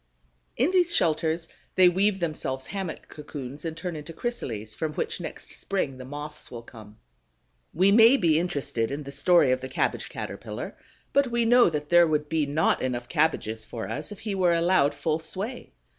In these shelters they weave themselves hammock cocoons and turn into chrysales, from which next spring the Moths will come. We may be interested in the story of the Cabbage caterpillar, but we know that there would be not enough cabbages for us if he were allowed full sway.